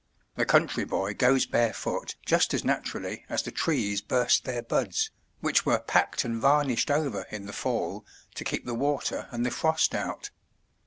The country boy goes barefoot just as naturally as the trees burst their buds, which were packed and varnished over in the fall to keep the water and the frost out.